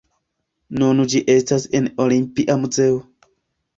Nun ĝi estas en Olimpia muzeo.